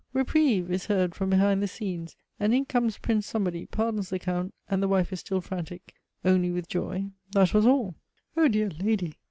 reprieve! is heard from behind the scenes: and in comes Prince Somebody, pardons the Count, and the wife is still frantic, only with joy; that was all! O dear lady!